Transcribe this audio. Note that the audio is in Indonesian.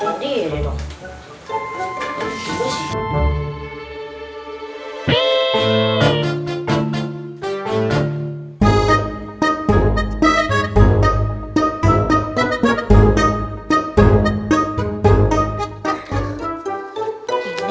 tidur ya dong